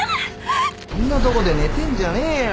こんなとこで寝てんじゃねえよ！